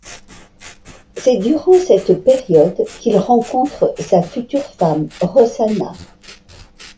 C'est durant cette période qu'il rencontre sa future femme Rossana.